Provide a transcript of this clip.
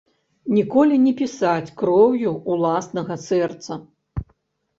Ніколі не пісаць кроўю ўласнага сэрца.